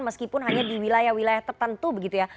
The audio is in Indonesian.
meskipun hanya di wilayah wilayah tertentu begitu ya